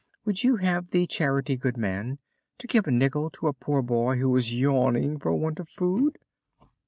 "Would you have the charity, good man, to give a nickel to a poor boy who is yawning for want of food?"